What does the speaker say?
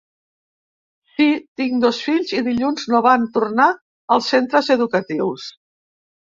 Sí, tinc dos fills i dilluns no van tornar als centres educatius.